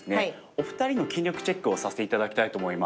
お二人の筋力チェックをさせて頂きたいと思います。